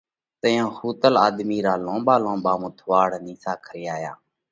تئيون ۿُوتل آۮمِي را لونٻا لونٻا مٿُوئاۯ نِيسا کري آيا۔